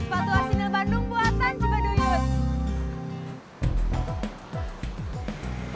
sepatu asinil bandung buatan coba duit